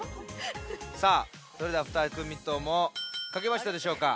さあそれではふたくみともかけましたでしょうか？